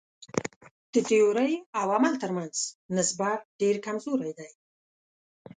د تیورۍ او عمل تر منځ نسبت ډېر کمزوری دی.